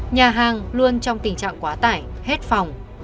nhà hàng luôn trong tình trạng quá tải hết phòng